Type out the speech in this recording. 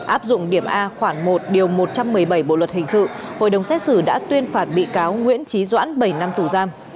áp dụng điểm a khoảng một điều một trăm một mươi bảy bộ luật hình sự hội đồng xét xử đã tuyên phạt bị cáo nguyễn trí doãn bảy năm tù giam